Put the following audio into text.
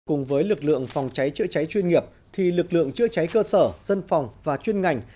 cùng với lực lượng phòng cháy chữa cháy chuyên nghiệp thì lực lượng chữa cháy cơ sở dân phòng và chuyên ngành